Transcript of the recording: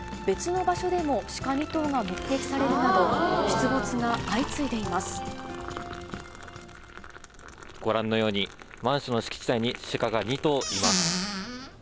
別の場所でもシカ２頭が目撃されるなど、ご覧のように、マンションの敷地内にシカが２頭います。